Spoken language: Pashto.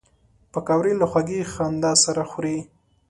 پکورې له خوږې خندا سره خوري